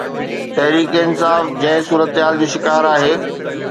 تحريڪ انصاف جنهن صورتحال جو شڪار آهي.